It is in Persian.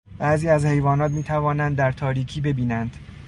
بعضی از حیوانات میتوانند در تاریکی ببینند.